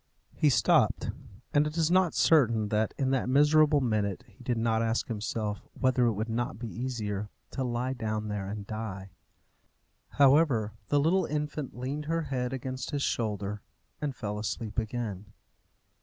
He stopped, and it is not certain that, in that miserable minute, he did not ask himself whether it would not be easier to lie down there and die. However, the little infant leaned her head against his shoulder, and fell asleep again.